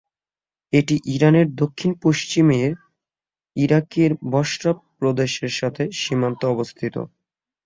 এটি ইরানের দক্ষিণ-পশ্চিমে ইরাকের বসরা প্রদেশের সাথে সীমান্তে অবস্থিত।